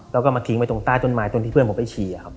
แล้วก็มาทิ้งไปตรงใต้จนที่เพื่อนผมไปชี่ครับ